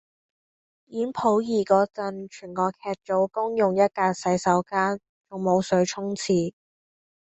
演溥儀個陣，全個劇組公用一格洗手間，仲冇水沖廁